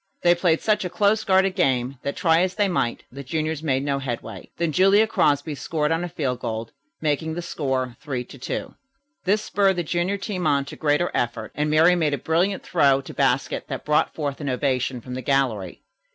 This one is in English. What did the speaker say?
They played such a close guarding game that, try as they might, the juniors made no headway. Then Julia Crosby scored on a field goal, making the score 3 to 2. This spurred the junior team on to greater effort, and Miriam made a brilliant throw to basket that brought forth an ovation from the gallery.